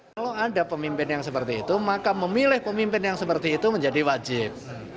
kalau ada pemimpin yang seperti itu maka memilih pemimpin yang seperti itu menjadi wajib